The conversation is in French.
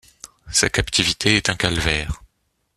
Sa captivité est un calvaire.